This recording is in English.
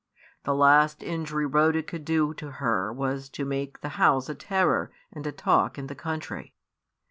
The last injury Rhoda could do to her was to make the house a terror and a talk in the country.